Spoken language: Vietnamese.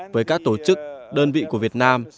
với các tổ chức đơn vị của việt nam